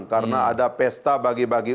karena ada pesta bagi bagi